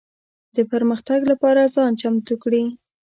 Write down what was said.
د پرمختګ لپاره ځان چمتو کړي.